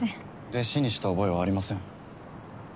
弟子にした覚えはありません。